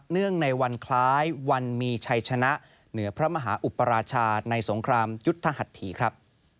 เนื่องในวันคล้ายวันมีชัยชนะเหนือพระมหาอุปราชาในสงครามยุทธหัสถีครับ